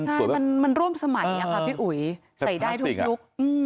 ใช่มันร่วมสมัยค่ะพี่อุ๋ยใส่ได้ทุกยุค